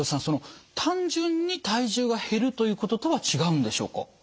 その単純に体重が減るということとは違うんでしょうか？